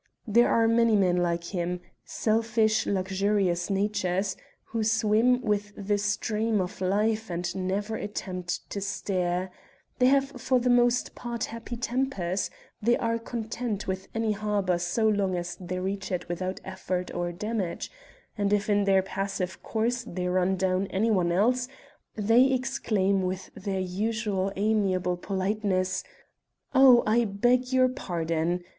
There are many men like him, selfish, luxurious natures who swim with the stream of life and never attempt to steer; they have for the most part happy tempers, they are content with any harbor so long as they reach it without effort or damage, and if in their passive course they run down any one else they exclaim with their usual amiable politeness: "Oh! I beg your pardon!"